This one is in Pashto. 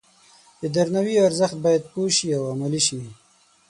د درناوي ارزښت باید پوه شي او عملي شي.